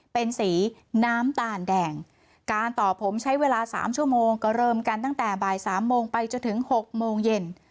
เป็นสีน้ำตาลแดงการต่อผมใช้เวลาสามชั่วโมงก็เริ่มกันตั้งแต่บ่ายสามโมงไปจนถึง๖โมงเย็น